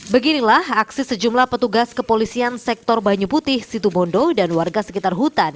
beginilah aksi sejumlah petugas kepolisian sektor banyu putih situbondo dan warga sekitar hutan